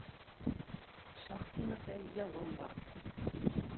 Шаһ Тимердәй явым бар.